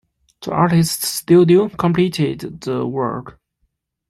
The artist's studio completed the work.